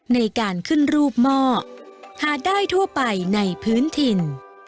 ในการขึ้นรูปหม้อหาได้ทั่วไปในพื้นถิ่น